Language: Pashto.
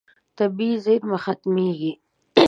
طبیعي زیرمه ختمېږي.